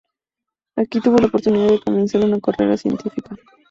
Aquí tuvo la oportunidad de comenzar una carrera científica.